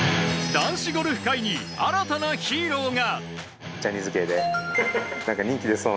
男子ゴルフ界に新たなヒーローが。